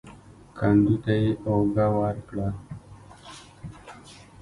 کندو ته يې اوږه ورکړه.